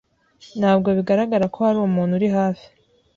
Ntabwo bigaragara ko hari umuntu uri hafi.